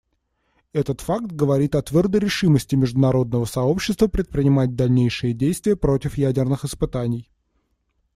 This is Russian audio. Этот факт говорит о твердой решимости международного сообщества предпринимать дальнейшие действия против ядерных испытаний.